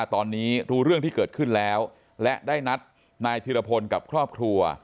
ตอนนี้รู้เรื่องที่เกิดขึ้นแล้วและได้นัดนายธิรพลกับครอบครัว